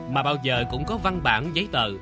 mà bao giờ cũng có văn bản giấy tờ